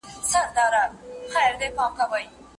آیا د خور مینه تر بلي میني بې سارې ده؟